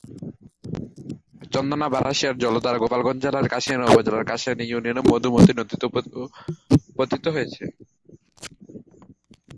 চন্দনা-বারাশিয়ার জলধারা গোপালগঞ্জ জেলার কাশিয়ানী উপজেলার কাশিয়ানী ইউনিয়নে মধুমতি নদীতে পতিত হয়েছে।